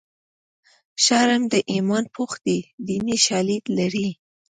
شرم د ایمان پوښ دی دیني شالید لري